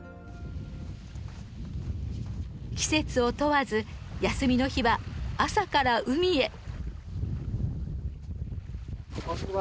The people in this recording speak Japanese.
季節を問わず休みの日は朝から海へ。